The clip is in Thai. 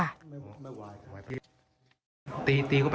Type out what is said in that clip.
ไม่ไหวค่ะ